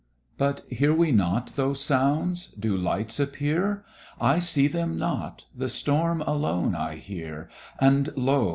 But hear we not those sounds? Do lights appear? I see them not! the storm alone I hear: And lo!